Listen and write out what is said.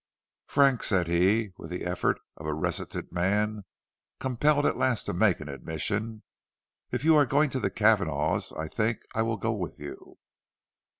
"Frank," said he, with the effort of a reticent man compelled at last to make an admission, "if you are going to the Cavanaghs, I think I will go with you."